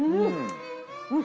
うん！